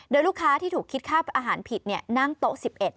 โดยลูกค้าที่ถูกคิดค่าอาหารผิดนั่งโต๊ะ๑๑